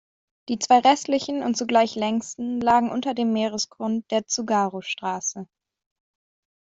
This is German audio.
Die zwei restlichen und zugleich längsten lagen unter dem Meeresgrund der Tsugaru-Straße.